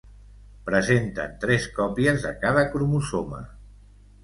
Presenten tres còpies de cada cromosoma.